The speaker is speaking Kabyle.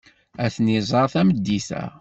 Ad ten-tẓer tameddit-a.